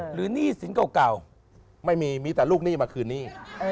หรือนี่สิ้นเก่าไม่มีมีแต่ลูกนี่มาคืนนี่